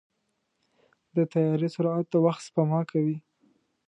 د طیارې سرعت د وخت سپما کوي.